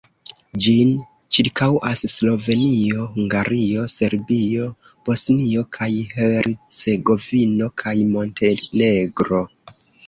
Ĝin ĉirkaŭas Slovenio, Hungario, Serbio, Bosnio kaj Hercegovino kaj Montenegro.